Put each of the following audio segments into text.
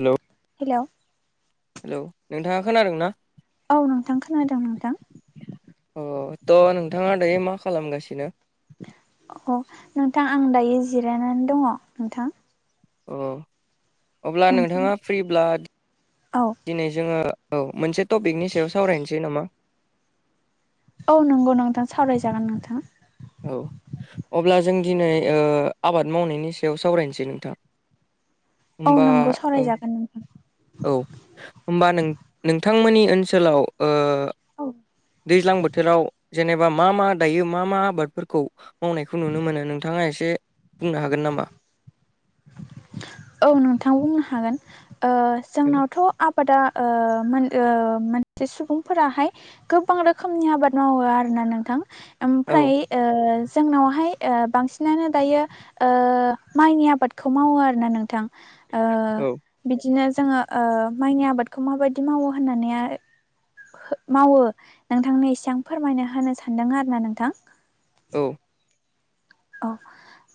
Hello? Hello? Hello, नोंथाङा खोनादोंना? औ नोंथां खोनादों नोंथां। अ थ' नोंथाङा दायो मा खालामगासिनो? अ नोंथां आं दायो जिरायनानै दङ नोंथां। अ अब्ला नोंथां नोंथाङा फ्रिब्ला औ दिनै जोङो औ मोनसे टपिकनि सायाव सावरायनोसै नामा? औ नंगौ नोंथां, सावरायजागोन नोंथां। औ अब्ला जों दिनै ओ आबाद मावनायनि सायाव सावरायनोसै नोंथां। औ होमबा नंगौ ओ सावरायजागोन नोंथां औ होमबा नों नोंथांमोननि ओनसोलाव ओ औ दैज्लां बोथोराव जेनेबा मा मा दायो मा मा आबादफोरखौ मावनायखौ नुनो मोनो नोंथाङा एसे बुंनो हागोन नामा? औ नोंथां बुंनो हागोन। ओ औ जोंनावथ' आबादा ओ मोन ओम मोनसे सुबुंफोराहाय गोबां रोखोमनि आबाद मावो आरो ना नोंथां। ओमफ्राय औ ओ जोंनावहाय ओ बांसिनानो दायो ओ माइनि आबाद खौ मावो आरो ना नोंथां। औ बिदिनो जोङो ओ माइनि आबादखौ माबायदि मावो होननानै मावो नोंथांनो एसे फोरमायना होनो सानदों आरो ना नोंथां। औ। औ।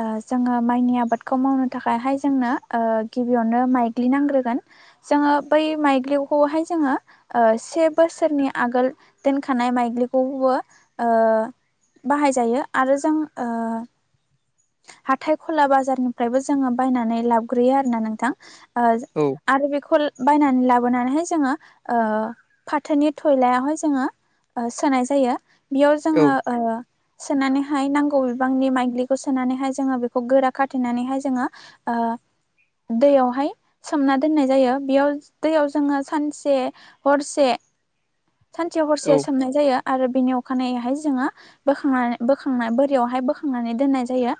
ओ जोङो माइनि आबादखौ मावनो थाखायहाय जोंनो ओ गिबियावनो माइग्लि नांग्रोगोन। जोङो बै माइग्रखौहाय जोङो ओ से बोसोरनि आगोल दोनखानाय माइग्लिखौबो ओ बाहायजायो आरो जों ओ हाथाय खला बाजारनिफ्रायबो जोङो बायनानै लाबग्रोयो आरो ना नोंथां। ओ औ। आरो बेखौ बायनानै लाबोनानैहाय जोङो ओ फाथोनि थयलायावहाय जोङो ओ सोनाय जायो बेयाव औ जोङो ओ सोनानैहाय नांगौ बिबांनि माइग्लि खौ सोनानैहाय जोङो बेखौ गोरा खाथेनानैहाय जोङो ओ दैयावहाय सोमना दोननाय जायो बेयाव दैयाव जोङो सानसे हरसे सानसेयाव हरसे औ सोमनाय जायो आरो बेनि अखानायैहाय जोङो बोखांनानै बोखांनाय बोरियावहाय बोखांनानै दोननाय जायो।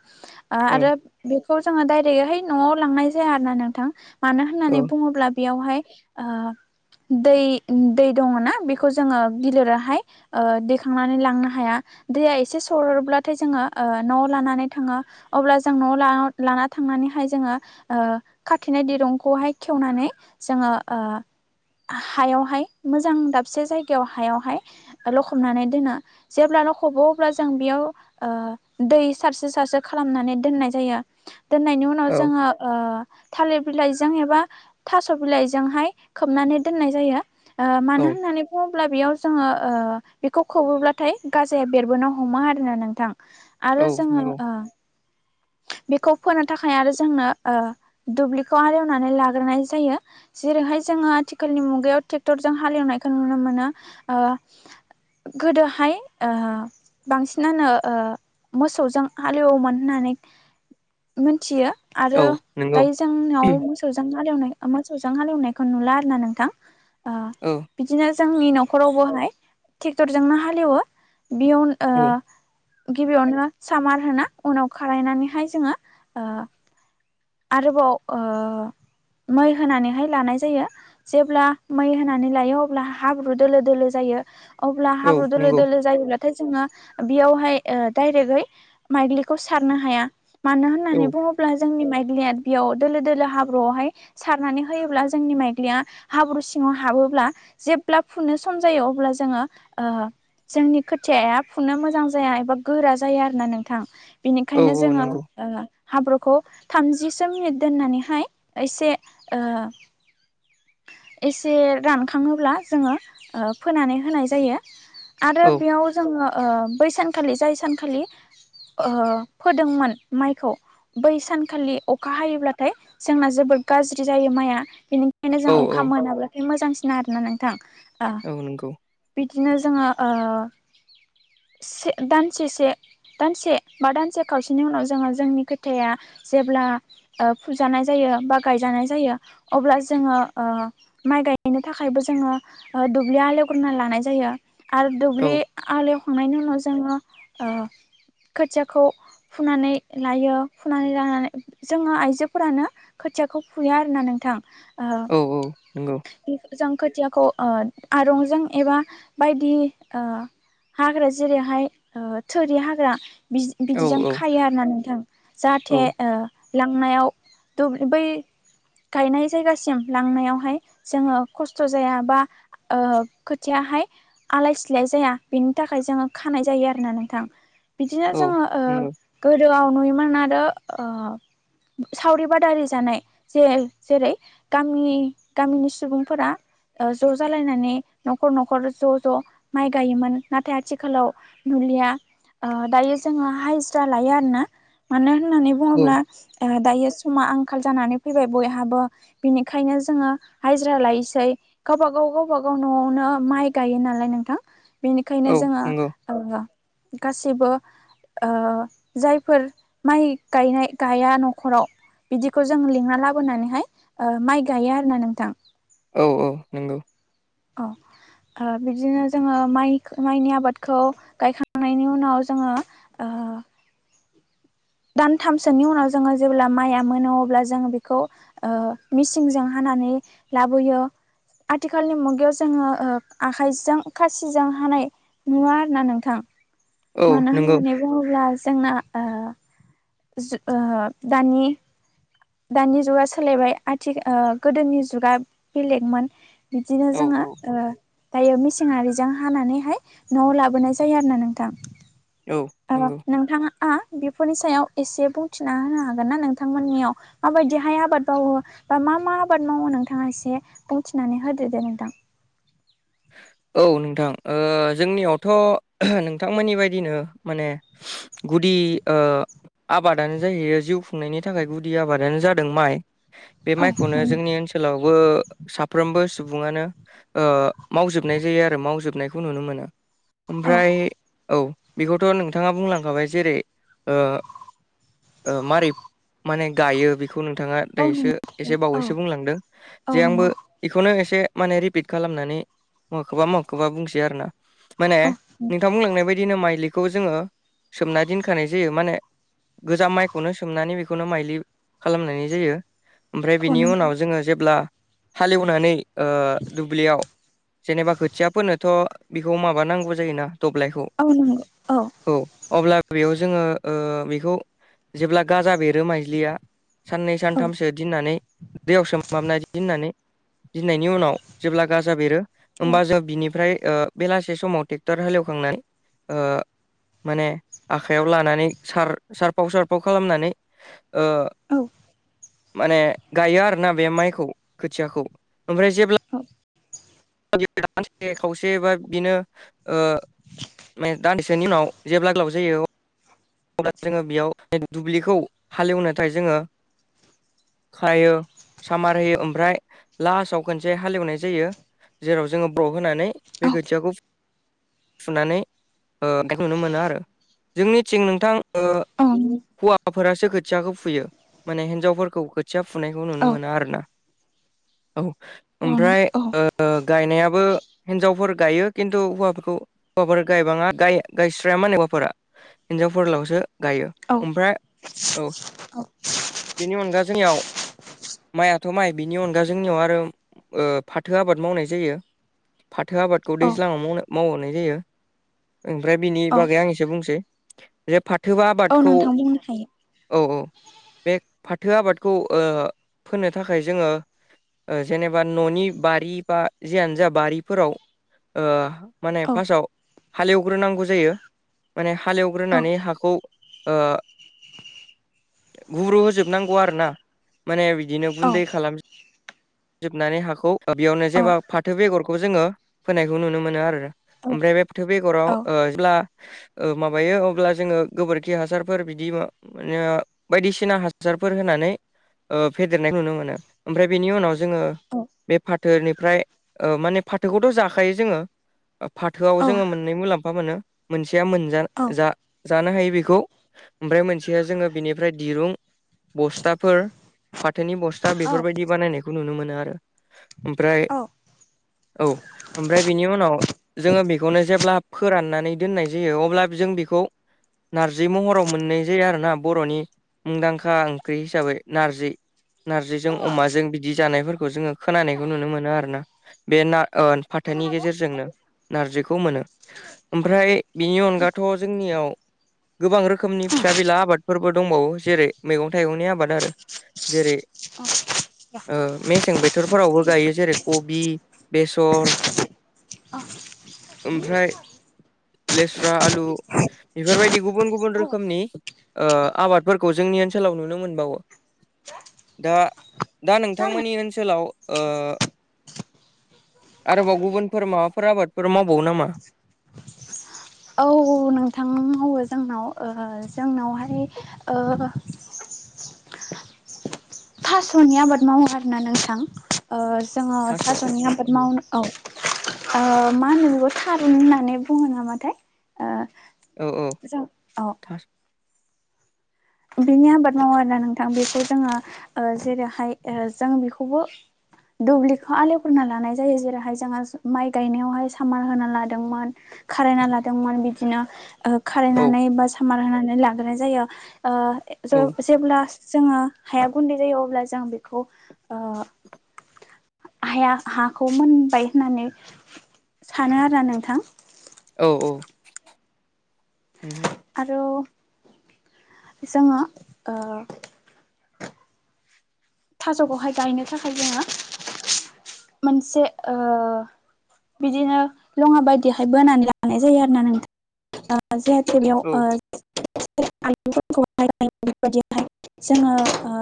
ओ आरो बेखौ जोङो डायरेक्टहाय न'आव लांनाय जाया आरो ना नोंथां मानो औ होननानै बुङोब्ला बेयावहाय ओ दै दै दङना बे खौ जोङो बिलिरहाय ओ दैखांनानै लांनो हाया दैया एसे सरोब्लाथाय जोङो ओ न'आव लानानै थाङो अब्ला जों न'आव लाना थांनानैहाय जोङो ओ खाथेनाय दिरुंखौहाय खेवनानै जोङो ओ हायावहाय मोजां दाबसे जायगायाव हायावहाय लखबनानै दोनो। जेब्लानो लखबो अब्ला जों बेयाव ओ दै सारसे सारसे खालामनानै दोननाय जायो दोननायनि उनाव औ जोङो ओ थालिर बिलाइजों एबा थास' बिलाइजोंहाय खोबनानै दोननाय जायो ओ औ मानो होन होननानै बुङोब्ला बेयाव जोङो ओ बेखौ खोबोब्लाथाय गाजाया बेरबोनो हमो आरोना नोंथां औ आरो जोङो नंगौ ओ बेखौ फोनो थाखाय आरो जोंनो ओ दुब्लिखौ आर एवनानै लाग्रोनाय जायो जेरैहाय जोङो आथिखालनि मुगायाव ट्रेक्टरजों हालेवनायखौ नुनो मोनो ओ गोदोहाय ओ बांसिनानो ओ मोसौजों हालेवोमोन होननानै मिथियो औ आरो नंगौ दायो जोंनाव मोसौजों हालेवनाय मोसौजों हालेवनायखौ नुला आरो ना नोंथां ओ औ। बिदिनो जोंनि न'खरावबोहाय ट्रेक्टरजोंनो हालेवो बेयाव ओ औ गिबियावनो सामार होना उनाव खारायनानैहाय जोङो ओ आरोबाव ओ मै होनानैहाय लानाय जायो जेब्ला मै होनानै लायो अब्ला हाब्रु दोलो दोलो जायो अब्ला औ हाब्रु दोलो नंगौ दोलो जायोब्ला ना जोङो बेयावहाय ओ दडाइरेक माइग्लिखौ सारनो हाया मानो होननानै औ बुङोब्ला जोंनि माइग्लिया बेयाव दोलो दोलो हाब्रुआवहाय सारनानै होयोब्ला जोंनि माइग्लिया हाब्रु सिङाव हाबोब्ला जेब्ला फुनो सम जायो अब्ला जोङो ओ जोंनि खोथिया फुनो मोजां जाया एबा गोरा जायो आरो ना नोंथां। औ बेनिखायनो औ जोङो नंगौ ओ हाब्रुखौ थामजिसो मिनिट दोननानैहाय एसे ओ एसे रानखाङोब्ला जोङो ओ फोनानै होनाय जायो। आरो औ बेयाव जोङो ओ बै सानखालि जाय सानखालि ओ फोदोंमोन माइखौ बै सान खालि अखा हायोब्लाथाय जोंना जोबोर गाज्रि जायो माइआ बेनिखायनो औ जों औ अखा मोनाब्ला मोजांसिना आरोना नोंथां नंगौ बिदिनो जोङो ओ से दानसे से दानसे बा दानसे खावसेनि उनाव जोङो जोंनि खोथिया जेब्ला ओ फुजानाय जायो बा गायजानाय जायो अब्ला जोङो ओ माइ गायैनो थाखायबो जोङो दुब्लिया आलेवग्रोना लानाय जायो आरो औ दुब्लि आलेवखांनायनि उनाव जोङो खोथियाखौ फुनानै लायो। फुनानै जानानै जोङो आइजोफोरानो खोथियाखौ फुयो आरोना नोंथां। औ औ नंगौ। बे जों खोथियाखौ ओ आरंजों एबा बायदि ओ हाग्रा जेरैहाय ओ थोरि हाग्रा बिदि औ बिदिजों खायो आरोना नोंथां औ जाहाथे ओ लांनायाव दु बै गायनाय जायगासिम लांनायावहाय जोङो खस्थ' जाया बा ओ खोथियाहाय आलाय सिलाय जाया । बेनि थाखाय जोङो खानाय जायो आरोना नोंथां। बिदिनो औ जोङो ओ नंगौ गोदोआव नुयोमोन आरो ओ सावरि बादारि जानाय जे जेरै गामि गामिनि सुबुंफोरा ओ ज' जालायनानै न'खर न'खर ज' ज' माइ गायोमोन। नाथाय आथिखालाव नुलिया ओ दायो जोङो हाजिरा लायो आरोना । मानो होननानै बुङोब्ला ओ दायो समा आंखाल जानानै फैबाय बयहाबो बिनिखायनो जोङो हाजिरा लायोसै गावबा गाव गावबा गाव न'आवनो माइ गायो नालाय नोंथां । बेनिखायनो औ नंगौ जोङो [unintelligible] गासिबो ओ जायफोर माइ गायनाय गाया न'खराव बिदिखौ जों लिंना लाबोनानैहाय ओ माइ गायो आरो ना नोंथां। औ औ। औ नंगौ। औ। ओ बिदिनो जोङो माइ माइनि आबादखौ गायखांनायनि उनाव जोङो ओ दानथामसोनि उनाव जोङो जेब्ला माइया मोनो अब्ला जोङो बेखौ ओ मिसिंजों हानानै लाबोयो। आथिखालनि मुगायाव जोङो ओ आखाइजों खासिजों हानाय नुवा आरो ना नोंथां । औ मानो नंगौ होननानै बुङोब्ला जोंना ओ जु ओ दानि दानि जुगा सोलायबाय आथि ओ गोदोनि जुगा बेलेगमोन। बिदिनो औ जोङो औ ओ दायो मेसिङारिजों हानानैहाय न'आव लाबोनाय जायो आरो ना नोंथां। औ। नंगौ [unintelligible] नोंथाङा ङा बेफोरनि सायाव एसे बुंथिना होनो हागोन ना, नोंथांमोननियाव माबायदिहाय आबाद मावावो? बा मा मा आबाद मावो नोंथाङा एसे बुंथिनानै होदो दे नोंथां। औ नोंथां ओ जोंनियावथ' नोंथांमोननि बायदिनो माने गुदि ओ आबादानो जाहैयो जिउ खुंनायनि थाखाय गुदि आबादानो जादों माइ। बे औ माइखौनो नंगौ जोंनि ओनसोलावबो साफ्रोमबो सुबुङानो ओ मावजोबनाय जायो आरो मावजोबनायखौ नुनो। औ ओमफ्राय औ बेखौथ' नोंथाङा बुंलांखाबाय जेरै ओ ओ मारै माने गायो बेखौ नोंथाङा औ दायोसो नंगौ औ एसे बावैसो बुंलांदों औ जे नंगौ आंबो बेखौनो एसे माने रिपिट खालामनानै मबेखौबा मबे खौबा बुंसै आर ना ।माने औ नोंथां बुंलांनाय बायदिनो माइलिखौ जोङो सोमना दोनखानाय जायो माने गोजाम माइखौनो सोमनानै बेखौनो माइलि खालामनाय जायो। ओमफ्राय औ बिनि नोंथां उनाव जोङो जेब्ला हालेवनानै ओ दुब्लियाव जेनेबा खोथिया फोनोथ' बेखौ माबानांगौ जायोना दब्लायखौ। औ नंगौ औ। औ अब्ला बेयाव जोङो ओ बेखौ जेब्ला गाजा बेरो माइज्लिया साननै औ सानथामसो दोननानै दैयाव सोम माबना दोननानै गिनायनि उनाव जेब्ला गाजा बेरो होमबा जों बिनिफ्राय ओ बेलासे समाव ट्रेक्टर हालेवखांनाय माने आखाइायाव लानानैार सारफाव सारफाव खालामनानै ओ माने गायो आरोना बे माइखौ खोथियाखौ ओमफ्राय जेब्ला औ। [unintelligible] खावसे बा बिनो ओ माने दान्दिसेनि उनाव जेब्ला ग्लावबो जायो अब्ला जोङो बेयाव दुब्लिखौ हालेवनो थाखाय जोङो खायो सामार होयो ओमफ्राय लास्टाव खनसे हालेवनाय जायो। जेराव जोङो ब्र' होनानै बे खोथियाखौ सुनानै नुनो मोनो आरो। जोंनि थिं नोंथां ओ हौवाफोरासो खोथियाखौ फुयो माने हिन्जावफोरखौ खोथिया फुनायखौ नुनो मोना आरो ना ।औ ओमफ्राय ओ गायनायाबो हिन्जावफोर गायो खिन्थु हौवाफोरखौ हौवाफोर गायबाङा गायस्रायायाामानो हौवाफोरा हिनजावफोरलावसो गायो औ ओमफ्राय औ औ बेनि अनगा जोंनियाव माइआथ' माइ बिनि अनगा जोंनियाव आरो ओ फाथो आबाद मावनाय जायो। फाथो आबादखौ औ दैज्लाङाव मावनो मावहनाय जायो ओमफ्राय बिनि औ बागै आं एसे बुंसै जे फाथो औ आबादखौ नोंथां बुंनो हायो औ औ बे फाथो आबादखौ ओ फोननो थाखाय जोङो। जेनेबा न'नि बारि बा जियानो जा बारिफोराव ओ माने औ फार्स्टआव हालेवग्रोनांगौ जायो। माने औ हालेवग्रोनानै हाखौ ओ गुब्रु होजोबनांगौ आरोना माने बिदिनो औ गुन्दै खालाम जोबनानै हाखौ बेयावनो औ जेनबा फाथो बेगरखौ जोङो फोनायखौ नुनो मोनो आरो औ ओमफ्राय बे फोथोर बेगराव औ जेब्ला ओ माबायो अब्ला जोङो गोबोरखि हासारफोर बिदि मान बायदिसिना हासारफोर होनानै ओ फेदेरनाय नुनो मोनो ।ओमफ्राय बेनि उनाव जोङो बे फाथोनिफ्राय माने फाथोखौथ' जाखायो जोङो। फाथोआव औ जोङो मोननै मुलाम्फा मोनो मोनसेया मोनजा औ जा जानो हायो बेखौ ओमफ्राय मोनसेया जोङो बेनिफ्राय दिरुं बस्थाफोर फाथोनि बस्था औ बेफोरबायदि बानायनायखौ नुनो मोनो आरो। ओमफ्राय औ औ ओमफ्राय बिनि उनाव जोङो बेखौनो जेब्ला फोराननानै दोननाय जयो अब्ला जों बेखौ नार्जि महराव मोननाय जायो आरो ना बर'नि मुंदांखा ओंख्रि हिसाबै नारजि। नार्जिजों अमाजों बिदि जानायफोरखौ जोङो खोनानायखौ नुनो मोनो आरो ना बे ना ओ फाथोनि गेजेरजोंनो नारजिखौ मोनो ।ओमफ्राय बेनि अनगाथ' जोंनियाव गोबां रोखोमनि फिसा बिला आबादफोरबो दंबावो जेरै मैगं थाइगंनि आबाद आरो जेरै ओ मेसें बोथोरफोरावबो गायो जेरै कबि बेसर ओमफ्राय लेस्रा आलु बेफोरबायदि गुबुन गुबुन रोखोमनि ओ आबादफोरखौ जोंनि ओनसोलाव नुनो मोनबावो दा दा जानो नोंथांमोननि ओनसोलाव ओ आरोबाव गुबुनफोर माबाफोर आबादफोर मावबावो नामा? औ नोंथां मावो जोंनाव ओ जोंनावहाय ओ थास'नि आबाद मावो आरोना नोंथां ओ जोङो थास' औ थास'नि आबाद मावनो औ ओ मा होनो बेखौ थारुन होननानै बुङो नामाथाय ओ औ औ जों औ था बिनि आबाद मावो आरोना नोंथां बेखौ जोङो ओ जेरैहाय ओ जों बेखौबो दुब्लिखौ आलेवगोरना लानाय जायो जेरैहाय जोंहा माइ गायनायावहाय सामान होना लादोंमोन खारायना लादोंमोन बिदिनो ओ औ खारायनानै बा सामार होनानै लाग्रोनाय जायो ओ औ जे-जेब्ला जोङो हाया गुन्दै जायो अब्ला जों बेखौ ओ हाया हाखौ मोनबाय होननानै सानो आरोना नोंथां। औ औ आरो जोङो ओ थास'खौहाय गायनो थाखाय जोङो मोनसे ओ बिदिनो लङा बायदिहाय बोनानै लानाय जायो आरोना नोंथां जाहाथे बेयाव ओ औ [inaudible] जोंङो ओ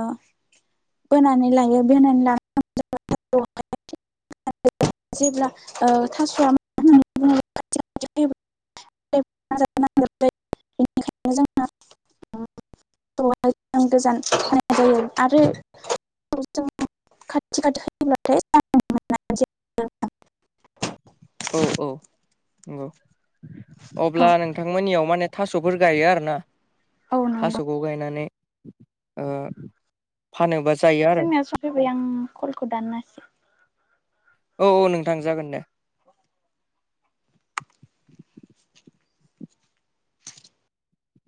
बोनानै लायो बोनानै लानानै [inaudible] [inaudible] जेब्ला ओ थासया [inaudible] [inaudible] [inaudible] गोजान होनाय जायो आरो जों खाथि खाथि होयोब्लाथाय औ औ नंगौ औ अब्ला नों थांमोननियाव माने थास'फोर गायो आरो ना औ नंगौ थास'खौ गायनानै ओ फानोबा जायो आरो फैबाय आं कलखौ दाननासै औ औ नोंथां जागोन दे